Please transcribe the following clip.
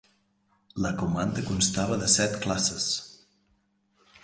La comanda constava de set classes.